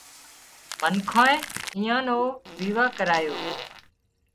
منکانئي ايئان نو ويوا ڪرايو